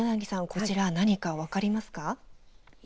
こちら何か分かりますか。